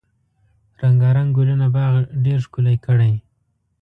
رنګارنګ ګلونه باغ ډیر ښکلی کړی.